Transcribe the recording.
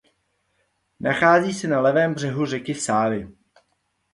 Nachází se na levém břehu řeky Sávy.